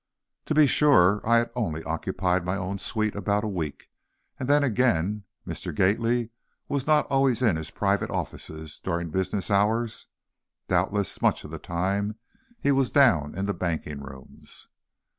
To be sure, I had only occupied my own suite about a week and then again Mr. Gately was not always in his private offices during business hours. Doubtless, much of the time he was down in the banking rooms.